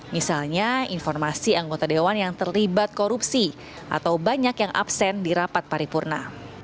misalnya informasi anggota dewan yang terlibat korupsi atau banyak yang absen di rapat paripurna